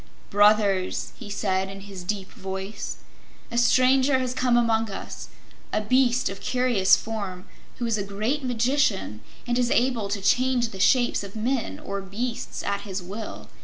"Brothers," he said in his deep voice, "a stranger has come among us, a beast of curious form who is a great magician and is able to change the shapes of men or beasts at his will.